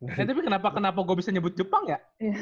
ya tapi kenapa gue bisa nyebut jepang ya